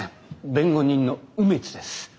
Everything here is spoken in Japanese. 弁護人の梅津です。